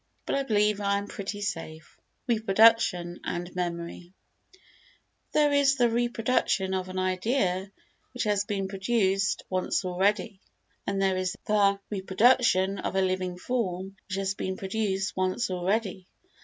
But I believe I am pretty safe. Reproduction and Memory There is the reproduction of an idea which has been produced once already, and there is the reproduction of a living form which has been produced once already.